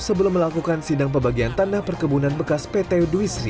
sebelum melakukan sidang pembagian tanah perkebunan bekas pt duisri